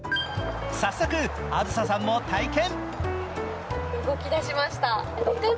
早速、あずささんも体験！